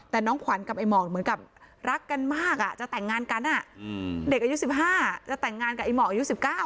แต่น้องขวัญกับไอ้หมอกเหมือนกับรักกันมากอ่ะจะแต่งงานกันอ่ะเด็กอายุสิบห้าจะแต่งงานกับไอ้หมอกอายุสิบเก้าอ่ะ